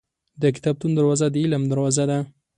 • د کتابتون دروازه د علم دروازه ده.